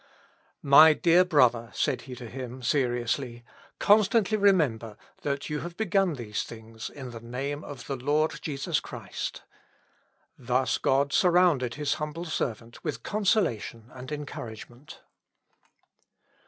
"My dear brother," said he to him seriously, "constantly remember that you have begun these things in the name of the Lord Jesus Christ." Thus God surrounded his humble servant with consolation and encouragement.